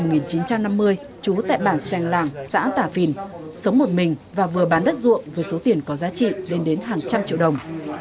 trẻo diện hìn sinh năm một nghìn chín trăm năm mươi trú tại bản sèn làng xã tạp vìn sống một mình và vừa bán đất ruộng với số tiền có giá trị đến đến hàng trăm triệu đồng